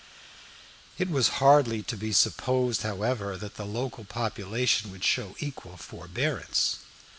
It was hardly to be supposed, however, that the local population would show equal forbearance.